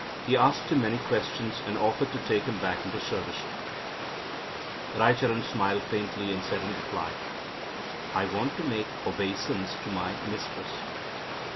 He asked him many questions, and offered to take him back into service. Raicharan smiled faintly, and said in reply; "I want to make obeisance to my mistress."